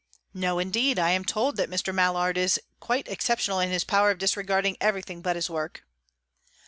"No, indeed. I am told that Mr. Mallard is quite exceptional in his power of disregarding everything but his work."